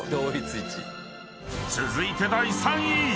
［続いて第３位］